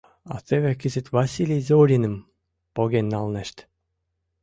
А теве кызыт Василий Зориным поген налнешт.